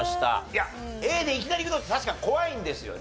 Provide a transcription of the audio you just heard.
いやＡでいきなりいくのって確かに怖いんですよね。